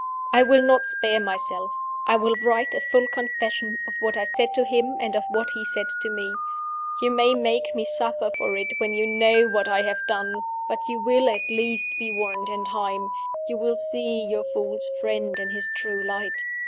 "I will not spare myself; I will write a full confession of what I said to him and of what he said to me. You may make me suffer for it when you know what I have done; but you will at least be warned in time; you will see your false friend in his true light.